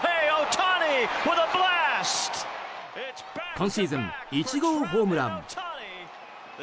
今シーズン１号ホームラン！